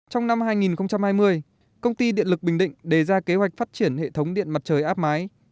trong năm hai nghìn hai mươi công ty điện lực bình định đề ra kế hoạch phát triển hệ thống điện mặt trời áp mái